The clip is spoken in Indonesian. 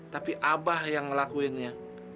tapi abah yang ngelakuinnya